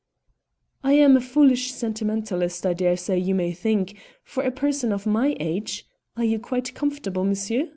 "I am a foolish sentimentalist, I daresay you may think for a person of my age (are you quite comfortable, monsieur?